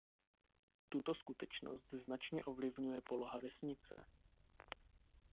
Tuto skutečnost značně ovlivňuje poloha vesnice.